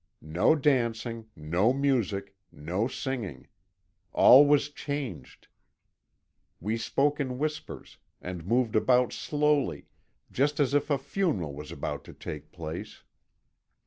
No dancing, no music, no singing; all was changed; we spoke in whispers, and moved about slowly, just as if a funeral was about to take place.